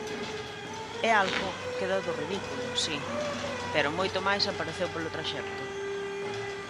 E algo queda do ridículo, si, pero moito máis apareceu polo traxecto.